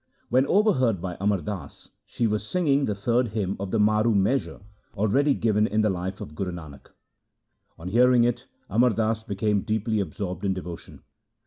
When over heard by Amar Das, she was singing the third hymn in the Maru measure, already given in the Life of Guru Nanak. On hearing it, Amar Das became deeply absorbed in devotion.